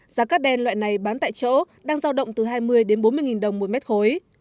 giá cát đen loại này bán tại chỗ đang giao động từ hai mươi đến bốn mươi nghìn đồng một mét khối